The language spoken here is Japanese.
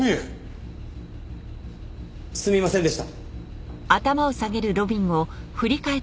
すみませんでした。